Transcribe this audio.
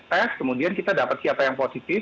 tes kemudian kita dapat siapa yang positif